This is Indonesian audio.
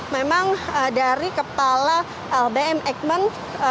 memang dari kepala bm ekman